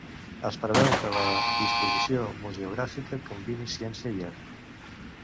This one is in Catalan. Es preveu que la disposició museogràfica combini ciència i art.